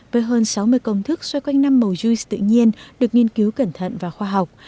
với hơn sáu mươi công thức xoay quanh năm màu chuice tự nhiên được nghiên cứu cẩn thận và khoa học